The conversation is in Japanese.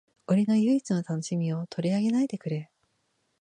俺の唯一の楽しみを取り上げないでくれ